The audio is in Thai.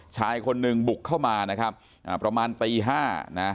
ชายคนหนึ่งบุกเข้ามานะครับอ่าประมาณตีห้านะ